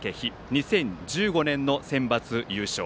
２０１５年のセンバツ優勝。